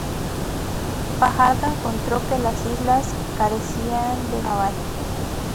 Fajardo encontró que las islas carecían de fuerza naval.